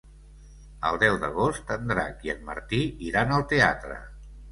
El deu d'agost en Drac i en Martí iran al teatre.